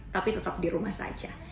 tapi tetap di rumah saja